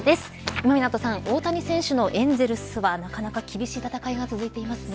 今湊さん、大谷選手のエンゼルスはなかなか厳しい戦いが続いていますね。